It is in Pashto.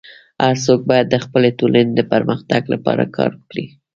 هر څوک باید د خپلي ټولني د پرمختګ لپاره کار وکړي.